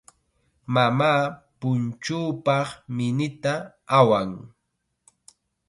Mamaa punchuupaq minita awan.